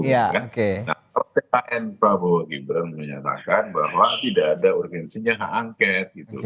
nah kalau tkn prabowo gibran menyatakan bahwa tidak ada urgensinya hak angket